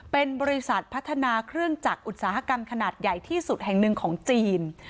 เป็นบริษัทพัฒนาเครื่องจักรอุตสาหกรรมขนาดใหญ่ที่สุดแห่งหนึ่งของจีน